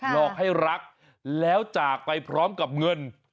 หลอกให้รักแล้วจากไปพร้อมกับเงิน